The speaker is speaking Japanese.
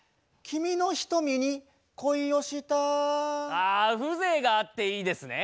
あ風情があっていいですね。